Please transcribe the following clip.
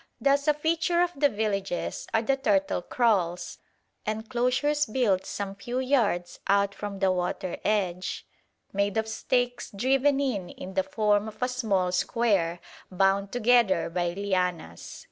Thus a feature of the villages are the turtle "crawls," enclosures built some few yards out from the water edge, made of stakes driven in in the form of a small square bound together by lianas.